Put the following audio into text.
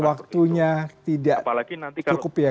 waktunya tidak cukup ya